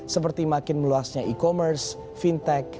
seperti makin meluasnya e commerce fintech